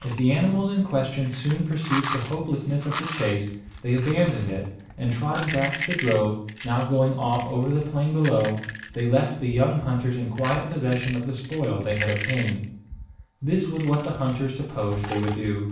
As the animals in question soon perceived the hopelessness of the chase, they abandoned it; and trotting back to the drove, now going off over the plain below, they left the young hunters in quiet possession of the spoil they had obtained. This was what the hunters supposed they would do.